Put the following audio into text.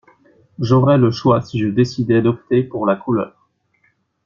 J’aurais le choix si je décidais d’opter pour la couleur.